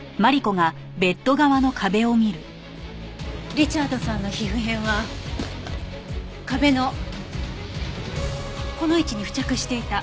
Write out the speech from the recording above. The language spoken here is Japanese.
リチャードさんの皮膚片は壁のこの位置に付着していた。